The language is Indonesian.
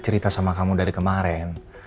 cerita sama kamu dari kemarin